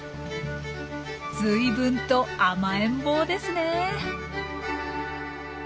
随分と甘えん坊ですねえ。